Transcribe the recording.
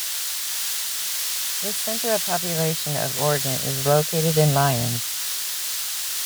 The center of population of Oregon is located in Lyons.